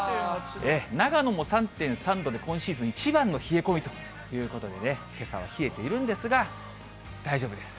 長野も３．３度で今シーズン一番の冷え込みということでね、けさは冷えているんですが大丈夫です。